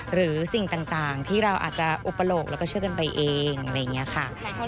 หรือสิ่งต่างที่เราอาจจะอุปโลกแล้วก็เชื่อกันไปเองอะไรอย่างนี้ค่ะ